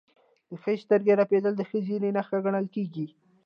د ښي سترګې رپیدل د ښه زیری نښه ګڼل کیږي.